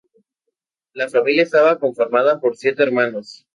La familia estaba conformada por siete hermanos.